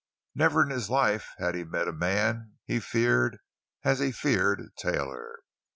Never in his life had he met a man he feared as he feared Taylor.